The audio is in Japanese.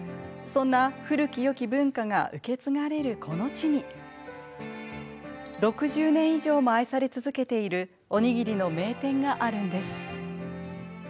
そんな古きよき文化が受け継がれるこの地に６０年以上も愛され続けているおにぎりの名店があるんです。